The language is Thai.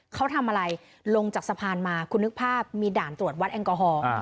เขาทำอะไรลงจากสะพานมาคุณนึกภาพมีด่านตรวจวัดแอลกอฮอล์